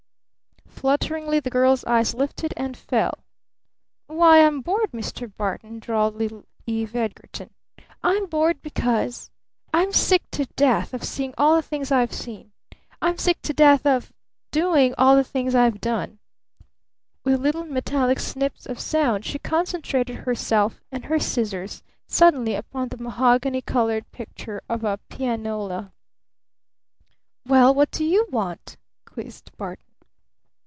Flutteringly the girl's eyes lifted and fell. "Why, I'm bored, Mr. Barton," drawled little Eve Edgarton, "I'm bored because I'm sick to death of seeing all the things I've seen. I'm sick to death of doing all the things I've done." With little metallic snips of sound she concentrated herself and her scissors suddenly upon the mahogany colored picture of a pianola. "Well, what do you want?" quizzed Barton.